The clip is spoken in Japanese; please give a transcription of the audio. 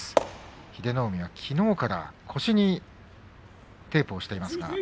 英乃海はきのうから腰にテープをしています。